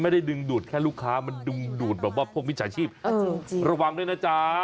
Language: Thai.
ระวังด้วยนะจ๊ะเป็นห่วงนะจ๊ะ